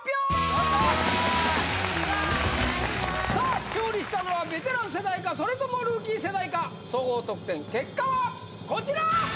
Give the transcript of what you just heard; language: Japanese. ・よいしょっさあ勝利したのはベテラン世代かそれともルーキー世代か総合得点結果はこちら！